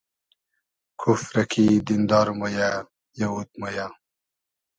کوفرۂ کی دیندار مۉ یۂ , یئوود مۉ یۂ